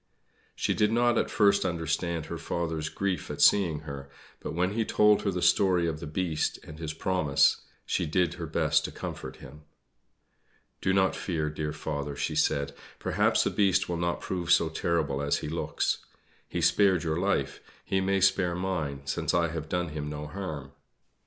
She did not at first understand her father's grief at seeing her; but when he told her the story of the Beast and his promise she did her best to comfort him. "Do not fear, dear father," she said, "perhaps the Beast will not prove so terrible as he looks. He spared your life; he may spare mine, since I have done him no harm."